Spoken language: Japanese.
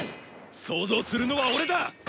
創造するのは俺だ！